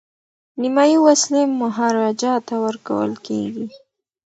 نیمایي وسلې مهاراجا ته ورکول کیږي.